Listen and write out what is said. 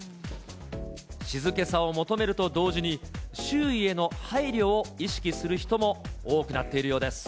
静けさを求めると同時に、周囲への配慮を意識する人も多くなっているようです。